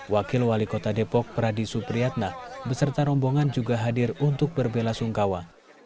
wakil wali kota depok pradi supriyatna beserta rombongan juga hadir untuk berbela sungkawa